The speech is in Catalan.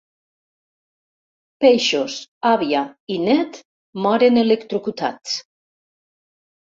Peixos, àvia i net moren electrocutats.